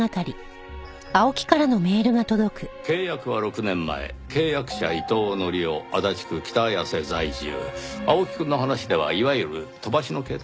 「契約は６年前」「契約者・伊藤則夫足立区北綾瀬在住」青木くんの話ではいわゆる飛ばしの携帯ではないかと。